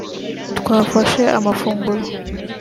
twafashe amafunguro